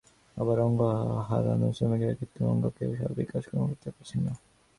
আবার অঙ্গ হারানো শ্রমিকেরা কৃত্রিম অঙ্গ পেয়েও স্বাভাবিক কাজকর্ম করতে পারছেন না।